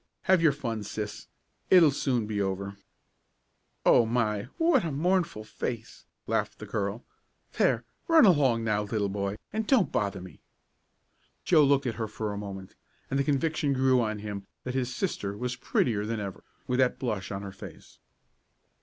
"Have your fun, sis. It'll soon be over." "Oh, my! What a mournful face!" laughed the girl. "There, run along now, little boy, and don't bother me." Joe looked at her for a moment, and the conviction grew on him that his sister was prettier than ever, with that blush on her face.